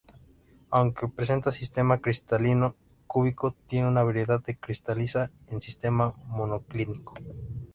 Aunque presenta sistema cristalino cúbico tiene una variedad que cristaliza en sistema monoclínico.